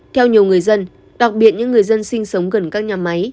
theo nhiều người dân đặc biệt những người dân sinh sống gần các nhà máy